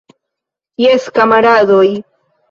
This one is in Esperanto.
Jes, kamaradoj!